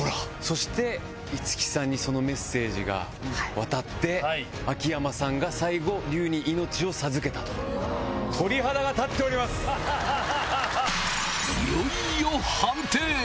そして樹さんにそのメッセージが渡って秋山さんが最後いよいよ判定！